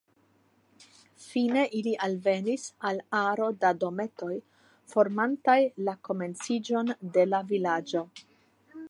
Fine ili alvenis al aro da dometoj, formantaj la komenciĝon de la vilaĝo.